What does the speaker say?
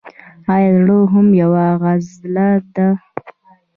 ایا زړه هم یوه عضله ده